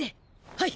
はい！